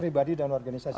ketua pribadi dan organisasi